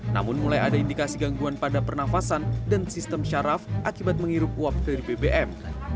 namun mulai ada indikasi gangguan pada pernafasan dan sistem syaraf akibat menghirup uap dari bbm